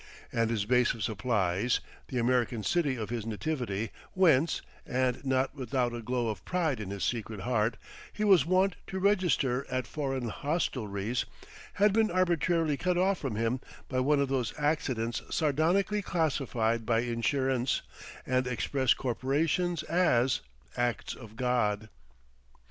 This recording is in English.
And his base of supplies, the American city of his nativity, whence and not without a glow of pride in his secret heart he was wont to register at foreign hostelries, had been arbitrarily cut off from him by one of those accidents sardonically classified by insurance and express corporations as Acts of God.